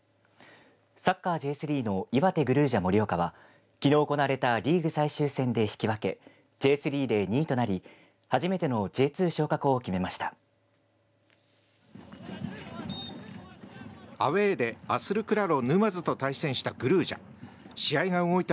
サッカーＪ３のいわてグルージャ盛岡はきのう行われたリーグ最終戦で引き分けＪ３で２位となり初めてのＪ２昇格を決めました。